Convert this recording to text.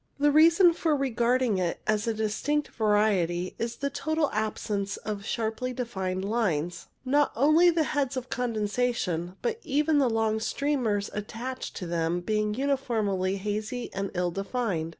The reason for regarding it as a distinct variety is the total absence of sharply defined lines, not only the heads of condensation, but even the long streamers attached to them being uniformly hazy and ill defined.